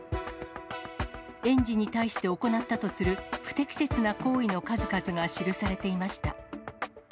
園児に対して行ったとする、不適切な行為の数々が記されていました。